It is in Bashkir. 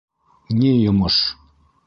Ни йомош?